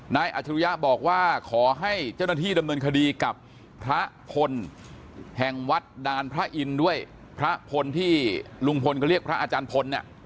อัจฉริยะบอกว่าขอให้เจ้าหน้าที่ดำเนินคดีกับพระพลแห่งวัดดานพระอินทร์ด้วยพระพลที่ลุงพลก็เรียกพระอาจารย์พลเนี่ย